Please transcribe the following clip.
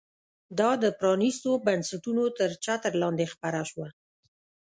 دا د پرانیستو بنسټونو تر چتر لاندې خپره شوه.